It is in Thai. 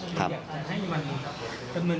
อยากให้มันกำเนินคดี